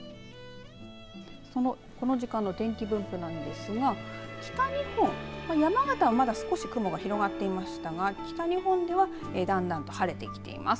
この時間の天気分布なんですが北日本、山形はまだ少し雲が広がっていましたが北日本ではだんだん晴れてきています。